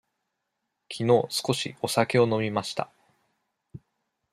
きのう少しお酒を飲みました。